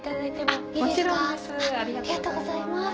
ありがとうございます。